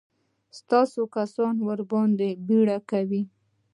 ستا کسان ورباندې پيره کوي.